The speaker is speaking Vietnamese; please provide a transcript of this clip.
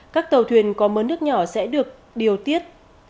các tàu thuyền có mỡ nước nhỏ sẽ được điều tiết